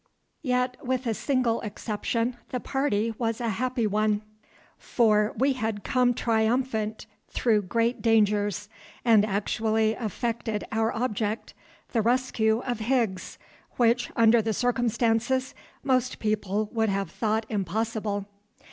Yet with a single exception the party was a happy one, for we had come triumphant through great dangers, and actually effected our object—the rescue of Higgs, which, under the circumstances most people would have thought impossible.